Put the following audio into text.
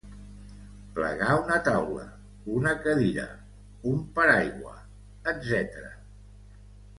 Plegar una taula, una cadira, un paraigua, etc.